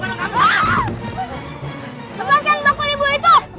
lepaskan lepaskan anak anak kamu